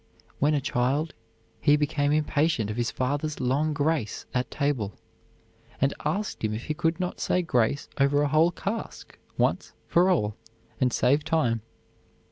When a child, he became impatient of his father's long grace at table, and asked him if he could not say grace over a whole cask once for all, and save time.